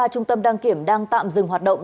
ba trung tâm đăng kiểm đang tạm dừng hoạt động